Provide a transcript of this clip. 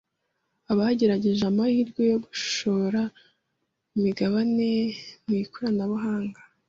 abagerageje amahirwe yo gushora imigabane mu ikoranabuhanga